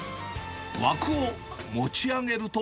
枠を持ち上げると。